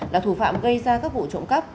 là thủ phạm gây ra các vụ trộm cắp